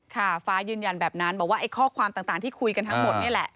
ฟ้ายืนยันแบบนั้นบอกว่าไอ้ข้อความต่างที่คุยกันทั้งหมดนี่แหละ